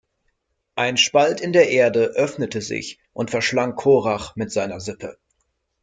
Ein Spalt in der Erde öffnete sich und verschlang Korach mit seiner Sippe.